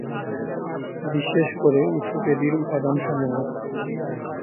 বিশেষ করে উঁচু বেদির উপাদানসমূহ।